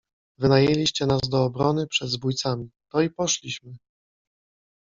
Wynajęliście nas do obrony przed zbójcami, to i poszliśmy.